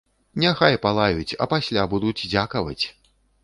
Няхай палаюць, а пасля будуць дзякаваць.